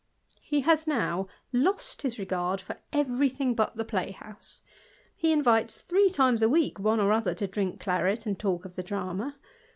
He has now lost his regard for every thing but the play use; he invites, three times a week, one or other to nk claret, and talk of the drama.